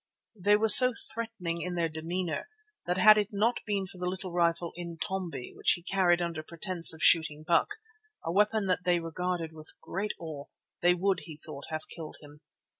They were so threatening in their demeanour that had it not been for the little rifle, Intombi, which he carried under pretence of shooting buck, a weapon that they regarded with great awe, they would, he thought, have killed him.